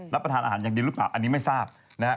ประทานอาหารอย่างดีหรือเปล่าอันนี้ไม่ทราบนะฮะ